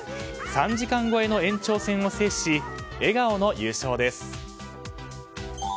３時間超えの延長戦を制し笑顔の優勝です。